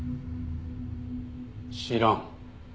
知らん。